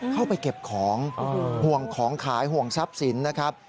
เข้าไปเก็บของห่วงของขายห่วงทรัพย์สินนะครับ